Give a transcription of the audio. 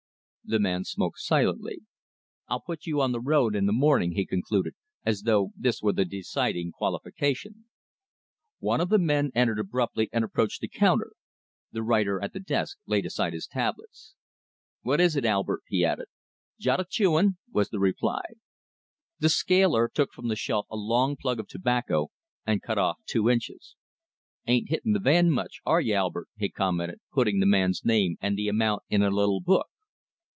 The man smoked silently. "I'll put you on the road in the morning," he concluded, as though this were the deciding qualification. One of the men entered abruptly and approached the counter. The writer at the desk laid aside his tablets. "What is it, Albert?" he added. "Jot of chewin'," was the reply. The scaler took from the shelf a long plug of tobacco and cut off two inches. "Ain't hitting the van much, are you, Albert?" he commented, putting the man's name and the amount in a little book.